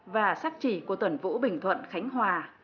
và sắc chỉ của tuần vũ bình thuận khánh hòa